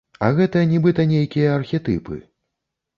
А гэта нібыта нейкія архетыпы.